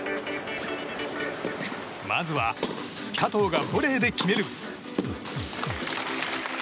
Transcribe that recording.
まずは加藤がボレーで決める！